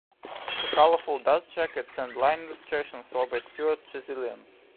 The colourful dust jackets and line illustrations were by Stuart Tresilian.